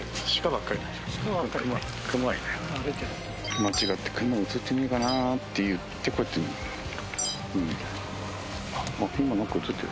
間違ってクマ映ってねえかなって言ってこうやって見る。